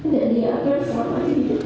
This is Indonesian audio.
dan dia akan selamat hidup